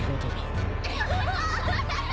わハハハ！